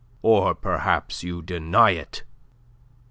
Or perhaps you deny it?"